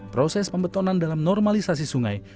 proses pembetonan dalam normalisasi sungai